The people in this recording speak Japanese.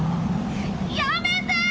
やめてー！